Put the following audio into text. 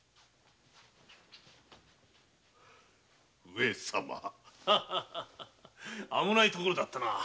上様危ないところだったな。